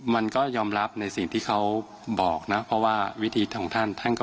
มันก็ยอมรับในสิ่งที่เขาบอกนะเพราะว่าวิธีของท่านท่านก็